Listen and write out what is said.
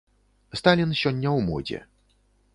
Сталін сёння ў модзе.